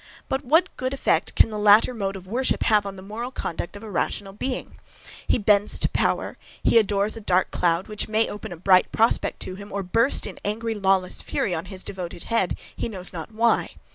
But what good effect can the latter mode of worship have on the moral conduct of a rational being? He bends to power; he adores a dark cloud, which may open a bright prospect to him, or burst in angry, lawless fury on his devoted head, he knows not why.